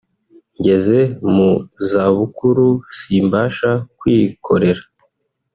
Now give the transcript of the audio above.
ngeze mu zabukuru simbasha kwikorera